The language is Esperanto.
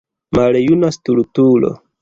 Maljuna stultulo!